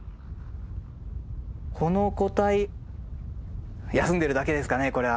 この個体休んでるだけですかねこれは。